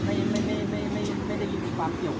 ตอนนี้กำหนังไปคุยของผู้สาวว่ามีคนละตบ